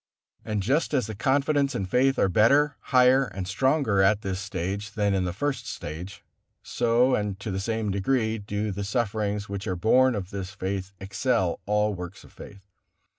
And just as the confidence and faith are better, higher and stronger at this stage than in the first stage, so and to the same degree do the sufferings which are borne in this faith excel all works of faith.